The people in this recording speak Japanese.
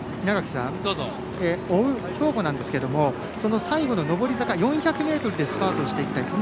追う兵庫なんですが最後の上り坂、４００ｍでスパートしていきたい。